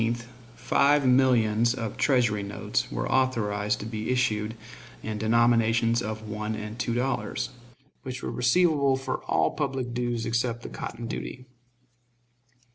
On April 17th five millions of Treasury notes were authorized to be issued in denominations of one and two dollars, which were receivable for all public dues except the cotton duty.